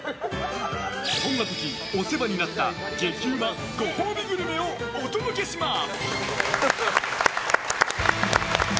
そんな時、お世話になった激うまご褒美グルメをお届けします。